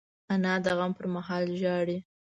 انا د غم پر مهال ژاړي